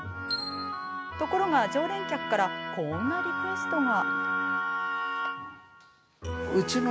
ところが常連客からこんなリクエストが。